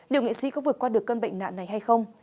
liệu nghệ sĩ có vượt qua được cơn bệnh nạn này hay không